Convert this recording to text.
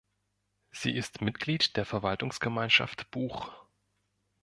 Sie ist Mitglied der Verwaltungsgemeinschaft Buch.